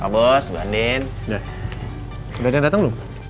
bos banding udah dateng